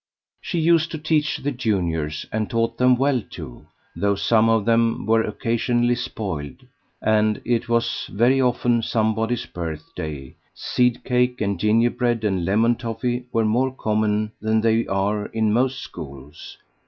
She used to teach the juniors, and taught them well too, though some of them were occasionally spoiled; and as it was very often somebody's birthday, seed cake and gingerbread and lemon toffee were more common than they are in most schools.